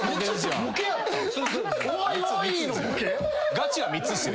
ガチは３つっすよ。